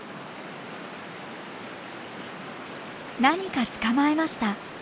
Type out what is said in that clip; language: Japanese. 何か捕まえました。